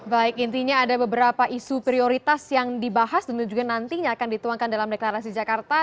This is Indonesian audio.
baik intinya ada beberapa isu prioritas yang dibahas dan juga nantinya akan dituangkan dalam deklarasi jakarta